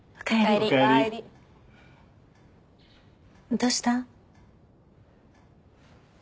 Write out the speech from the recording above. どうした？